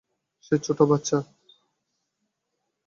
সে ছোট বাচ্চা।